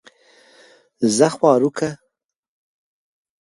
زۀ خواروک کۀ